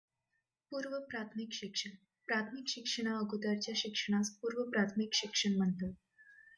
पूर्व प्राथमिक शिक्षण, प्राथमिक शिक्षणाअगोदरच्या शिक्षणास पूर्व प्राथमिक शिक्षण म्हणतात.